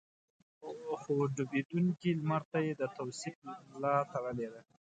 خو ډوبېدونکي لمر ته يې د توصيف ملا تړلې ده.